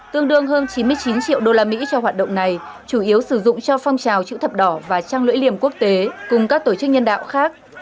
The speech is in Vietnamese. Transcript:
tương đương hơn chín mươi chín triệu đô la mỹ cho hoạt động này chủ yếu sử dụng cho phong trào chữ thập đỏ và trang lưỡi liềm quốc tế cùng các tổ chức nhân đạo khác